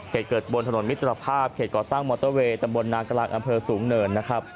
เหตุเกิดบนถนนมิตรภาพเขตก่อสร้างมอเตอร์เวย์ตำบลนากลางอำเภอสูงเนินนะครับ